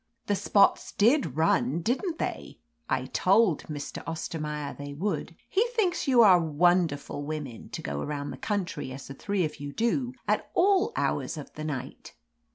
"The spots did run, didn't they? I told Mr. Ostennaier they would He thinks you are wonderful women, to go around the country as the three of you do at all hours of the night."